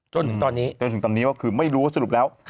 จนถึงตอนนี้จนถึงตอนนี้ก็คือไม่รู้ว่าสรุปแล้ว